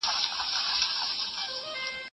هغه یرغمل نیول شوي کسان خوندي وساتل